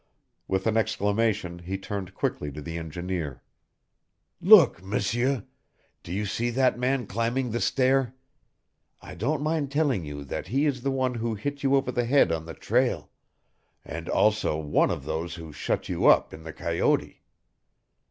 With an exclamation he turned quickly to the engineer. "Look, M'seur! Do you see that man climbing the stair? I don't mind telling you that he is the one who hit you over the head on the trail, and also one of those who shut you up in the coyote.